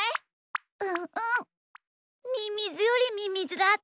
うんうんミミズよりミミズだったね。